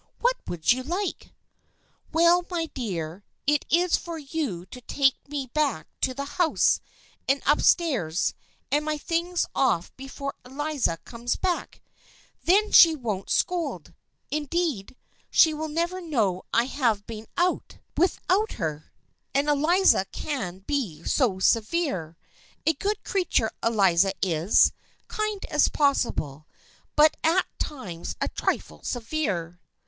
"What would you like?" " Why, my dear, it is for you to take me back to the house, and up stairs and my things off be fore Eliza comes back ! Then she won't scold. Indeed, she need never know I have been out 174 THE FRIENDSHIP OF ANNE without her. And Eliza can be so severe ! A good creature, Eliza is. Kind as possible, but at times a trifle severe."